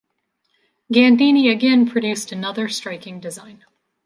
Gandini again produced another striking design.